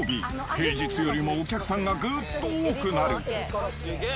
平日よりもお客さんがぐっと多くなる。